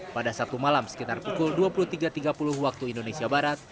pada sabtu malam sekitar pukul dua puluh tiga tiga puluh waktu indonesia barat